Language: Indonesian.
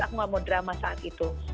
aku mau drama saat itu